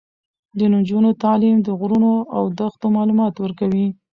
د نجونو تعلیم د غرونو او دښتو معلومات ورکوي.